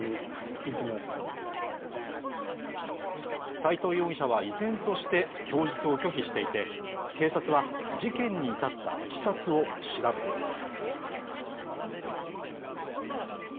斉藤容疑者は依然として供述を拒否していて警察は事件に至ったいきさつを調べています。